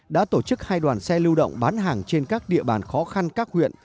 đã tổ chức hai đoàn xe lưu động bán hàng trên các địa bàn khó khăn các huyện